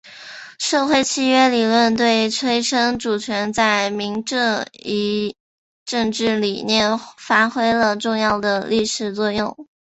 社会契约理论对催生主权在民这一政治理念发挥了重要的历史作用。